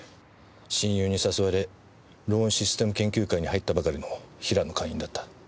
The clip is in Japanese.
親友に誘われローンシステム研究会に入ったばかりのヒラの会員だった。